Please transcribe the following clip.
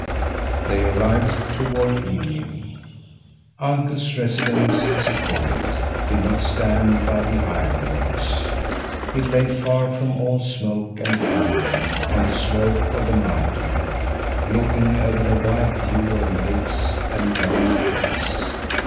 They arrived toward evening. Uncle's "residence," as he called it, did not stand by the ironworks. It lay far from all smoke and hammering, on the slope of the mountain, looking over a wide view of lakes and long hills.